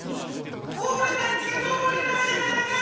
おれたちがのぼれないじゃないか！